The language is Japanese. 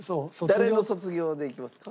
誰の『卒業』でいきますか？